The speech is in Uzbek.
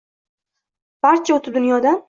Barcha o’tib dunyodan